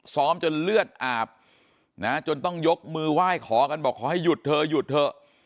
ซ้อมจนเลือดอาบนะจนต้องยกมือไหว้ขอกันบอกขอให้หยุดเธอหยุดเถอะ